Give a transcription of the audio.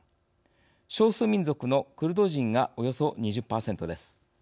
少数民族のクルド人がおよそ２０％です。